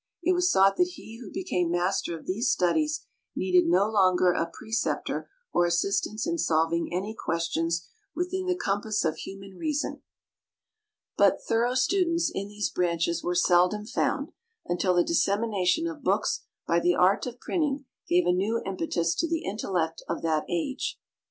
It was thought that he who became master of these studies needed no longer a preceptor or assistance in solving any questions within the compass of human reason. But thorough students in these branches were seldom found, until the dissemination of books by the art of printing gave a new impetus to the intellect of that age.